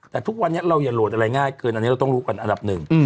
แต่ทุกวันนี้เราอย่าโหลดอะไรง่ายเกินอันนี้เราต้องรู้กันอันดับหนึ่ง